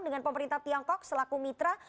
dengan pemerintah tiongkok selaku mitra